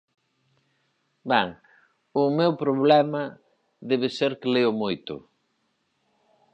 Ben, o meu problema debe ser que leo moito.